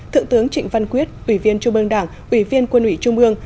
thượng tướng trịnh văn quyết ủy viên trung ương đảng ủy viên quân ủy trung ương